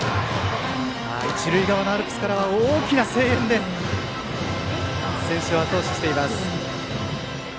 一塁側のアルプスからは大きな声援で選手をあと押ししています。